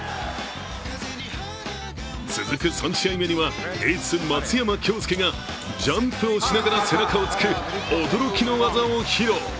続く３試合目には、エース・松山恭助がジャンプをしながら背中を突く驚きの技を披露。